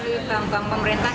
melalui bank bank pemerintah